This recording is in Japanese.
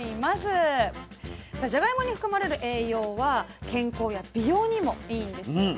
さあじゃがいもに含まれる栄養は健康や美容にもいいんですよね。